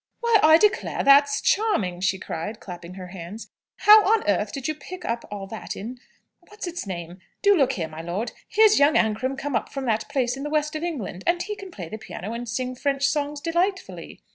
"Why, I declare that's charming!" she cried, clapping her hands. "How on earth did you pick up all that in what's its name? Do look here, my lord, here's young Ancram come up from that place in the West of England, and he can play the piano and sing French songs delightfully!"